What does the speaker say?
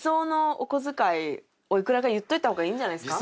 おいくらか言っといたほうがいいんじゃないですか？